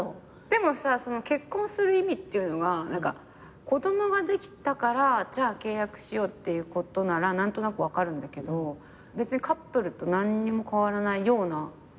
でも結婚する意味っていうのが子供ができたからじゃあ契約しようっていうことなら何となく分かるんだけど別にカップルと何にも変わらないような気がして。